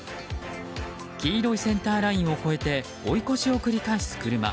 黄色いセンターラインを越えて追い越しを繰り返す車。